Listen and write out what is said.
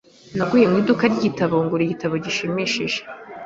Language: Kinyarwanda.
Naguye mu iduka ryibitabo ngura igitabo gishimishije.